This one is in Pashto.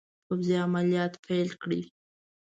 پوځي عملیات پیل کړي.